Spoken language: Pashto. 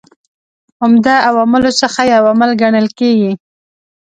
عمده عواملو څخه یو عامل کڼل کیږي.